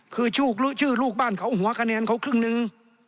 คือชื่อลูกบ้านเขาหัวคะแนนเขาครึ่งนึง